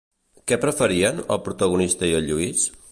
Què preferien, el protagonista i el Lluis?